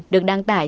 được đăng tải